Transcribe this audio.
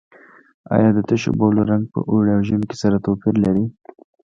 آیا د تشو بولو رنګ په اوړي او ژمي کې سره توپیر لري؟